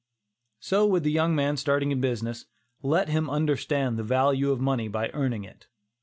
So with the young man starting in business; let him understand the value of money by earning it.